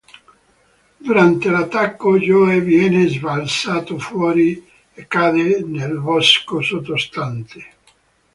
Durante l'attacco, Joe viene sbalzato fuori e cade nel bosco sottostante.